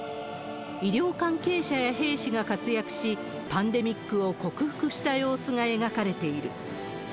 医療関係者や兵士が活躍し、パンデミックを克服した様子が描かれている。